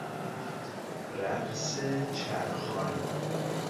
رقص چرخان